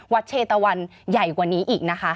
วัดเชตาวรใหญ่กว่านี้อีกนะคะ